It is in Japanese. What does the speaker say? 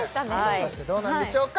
果たしてどうなんでしょうか？